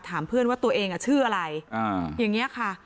ถามเพื่อนว่าตัวเองชื่ออะไรอย่างนี้ค่ะ